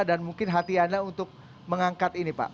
dan mungkin hati anda untuk mengangkat ini pak